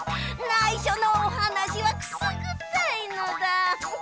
ないしょのおはなしはくすぐったいのだ。